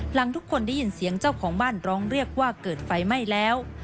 หลังทุกคนได้ยินเสียงเจ้าของบ้านร้องเรียกว่าเกิดไฟไหม้แล้ว